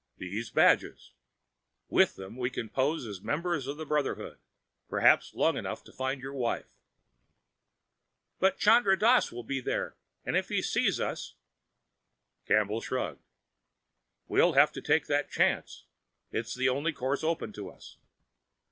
"These badges! With them we can pose as members of the Brotherhood, perhaps long enough to find your wife." "But Chandra Dass will be there, and if he sees us " Campbell shrugged. "We'll have to take that chance. It's the only course open to us."